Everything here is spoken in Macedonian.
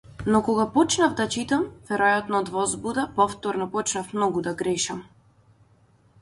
Но кога почнав да читам, веројатно од возбуда, повторно почнав многу да грешам.